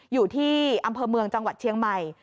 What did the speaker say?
อยู่ที่อำเภอเมืองจังหวัดเชียงใหม่